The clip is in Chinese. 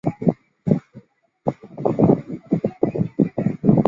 清朝文生员。